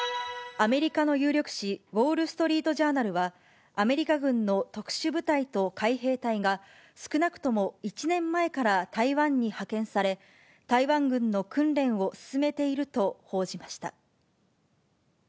アメリカの有力紙、ウォール・ストリート・ジャーナルは、アメリカ軍の特殊部隊と海兵隊が、少なくとも１年前から台湾に派遣され、台湾軍の訓練を進めていると報じました。